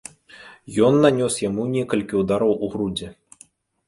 Ён нанёс яму некалькі ўдараў у грудзі.